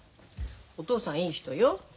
お父さんいい人よ。